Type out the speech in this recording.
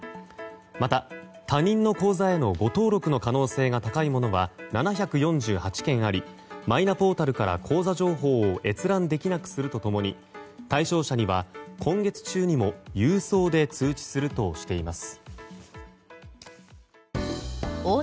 また、他人の口座への誤登録の可能性が高いものは７４８件ありマイナポータルから口座情報を閲覧できなくすると共に対象者には今月中にも郵送で通知するとしています。